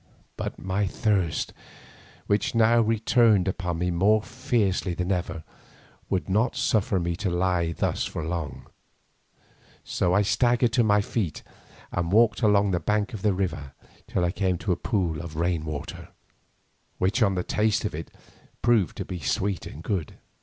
But my thirst, which now returned upon me more fiercely than ever, would not suffer me to lie thus for long, so I staggered to my feet and walked along the bank of the river till I came to a pool of rain water, which on the tasting, proved to be sweet and good.